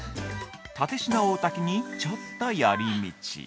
蓼科大滝にちょっと寄り道。